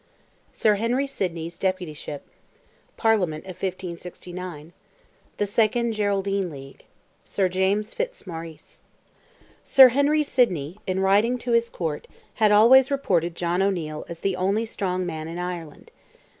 SIR HENRY SIDNEY'S DEPUTYSHIP—PARLIAMENT OF 1569—THE SECOND "GERALDINE LEAGUE"—SIR JAMES FITZ MAURICE. Sir Henry Sidney, in writing to his court, had always reported John O'Neil as "the only strong man in Ireland."